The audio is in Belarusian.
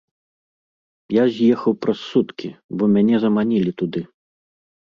Я з'ехаў праз суткі, бо мяне заманілі туды.